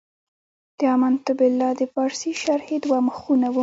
د امنت بالله د پارسي شرحې دوه مخه و.